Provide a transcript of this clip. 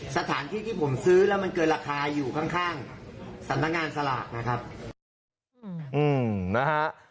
สถานที่ที่ผมซื้อแล้วมันเกินราคาอยู่ข้างสำนักงานสลากนะครับ